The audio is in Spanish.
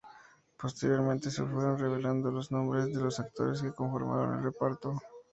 Posteriormente se fueron revelando los nombres de los actores que conformarían el reparto.